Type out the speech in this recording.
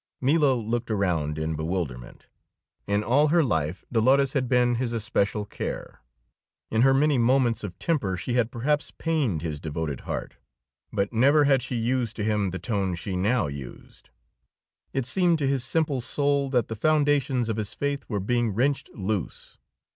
Milo looked around in bewilderment. In all her life Dolores had been his especial care; in her many moments of temper she had perhaps pained his devoted heart, but never had she used to him the tone she now used. It seemed to his simple soul that the foundations of his faith were being wrenched loose.